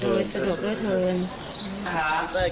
พี่แจมเรียนหน่อยข้าวบ้านเลย